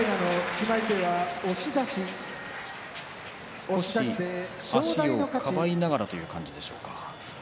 少し足を、かばいながらという感じでしょうか。